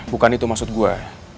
bukan itu maksud gue